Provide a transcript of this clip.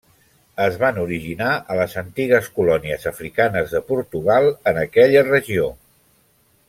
Es van originar a les antigues colònies africanes de Portugal en aquella regió.